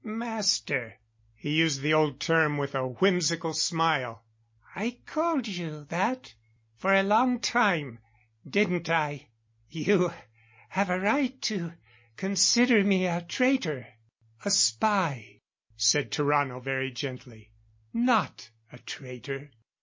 "Master?" He used the old term with a whimsical smile. "I called you that for a long time, didn't I? You have a right to consider me a traitor " "A spy," said Tarrano very gently. "Not a traitor.